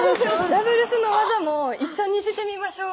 「ダブルスの技も一緒にしてみましょう」